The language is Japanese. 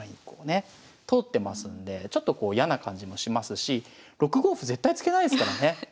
こうね通ってますんでちょっとこう嫌な感じもしますし６五歩絶対突けないですからね。